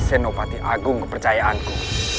senopati agung kepercayaanku